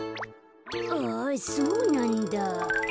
あっそうなんだ。